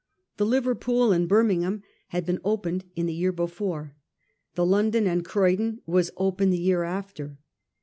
The Liverpool and Birmingham had been opened in the year before ; the London and Croydon was opened the year after.